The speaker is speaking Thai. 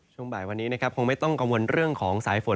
ช่วงบ่ายวันนี้นะครับคงไม่ต้องกังวลเรื่องของสายฝน